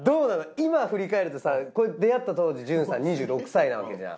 いま振り返るとさ出会った当時ＪＵＮさん２６歳なわけじゃん。